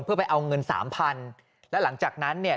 เพื่อไปเอาเงิน๓๐๐๐บาทและหลังจากนั้นเนี่ย